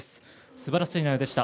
すばらしい内容でした。